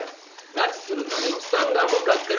拉致するためのスタンガンも買ってる。